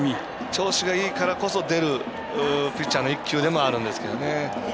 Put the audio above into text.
調子がいいからこそ出るピッチャーの１球でもあるんですけどね。